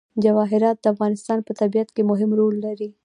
جواهرات د افغانستان په طبیعت کې مهم رول لري.